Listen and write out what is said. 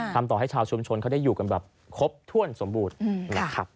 ทำให้ต่อให้ชาวชุมชนเขาได้อยู่กันแบบครบถ้วนสมบูรณ์นะครับ